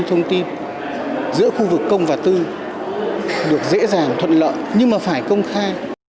thông tin giữa khu vực công và tư được dễ dàng thuận lợi nhưng mà phải công khai